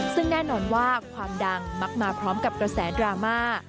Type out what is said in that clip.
ซึ่งแน่นอนว่าความดังมักมาพร้อมกับกระแสดราม่า